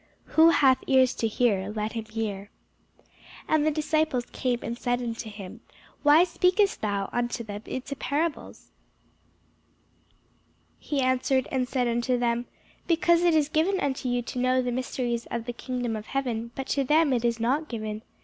Who hath ears to hear, let him hear. [Sidenote: St. Matthew 13] And the disciples came, and said unto him, Why speakest thou unto them in parables? He answered and said unto them, Because it is given unto you to know the mysteries of the kingdom of heaven, but to them it is not given.